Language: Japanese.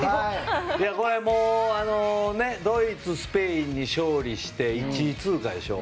これはもう、ドイツ、スペインに勝利して１位通過でしょ。